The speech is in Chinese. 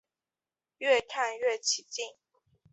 越看越起劲